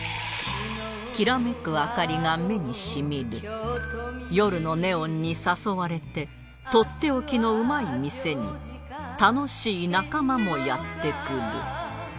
きらめく明かりが目に染みる夜のネオンに誘われてとっておきのうまい店に楽しい仲間もやって来る